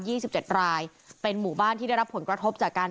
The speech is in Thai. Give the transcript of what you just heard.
สิบเจ็ดรายเป็นหมู่บ้านที่ได้รับผลกระทบจากการ